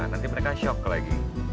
nanti mereka shock lagi